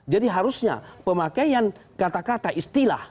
harusnya pemakaian kata kata istilah